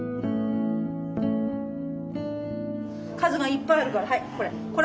数がいっぱいあるからはいこれ。